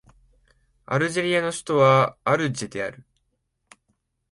アルジェリアの首都はアルジェである